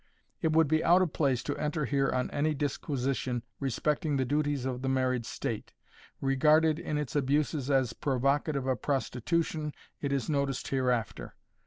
It would be out of place to enter here on any disquisition respecting the duties of the married state; regarded in its abuses as provocative of prostitution it is noticed hereafter.